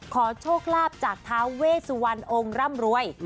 ขอโชคลาภจากท้าเวสุวรรณองค์ร่ำรวย